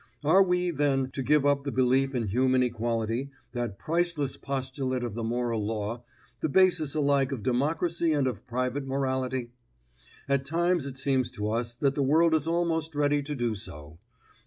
Are we, then, to give up the belief in human equality that priceless postulate of the moral law, the basis alike of democracy and of private morality? At times it seems to us that the world is almost ready to do so.